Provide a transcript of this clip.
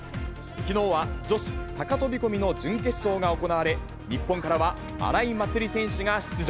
きのうは、女子高飛び込みの準決勝が行われ、日本からは荒井祭里選手が出場。